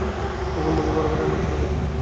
এখন বুঝি বরাবরই এমনি চলিবে।